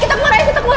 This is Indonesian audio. kita keluar kita keluar